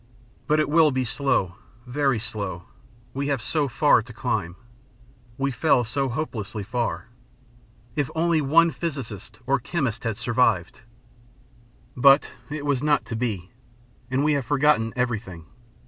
"But it will be slow, very slow; we have so far to climb. We fell so hopelessly far. If only one physicist or one chemist had survived! But it was not to be, and we have forgotten everything.